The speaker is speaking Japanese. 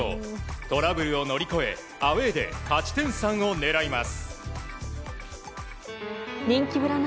トラブルを乗り越えアウェーで勝ち点３を狙います。